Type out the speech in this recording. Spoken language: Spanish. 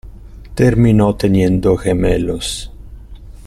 Terminó teniendo gemelos.